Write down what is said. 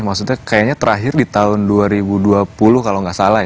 maksudnya kayaknya terakhir di tahun dua ribu dua puluh kalau nggak salah ya